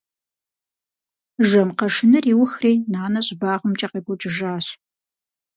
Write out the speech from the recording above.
Жэм къэшыныр иухри, нанэ щӏыбагъымкӏэ къекӏуэкӏыжащ.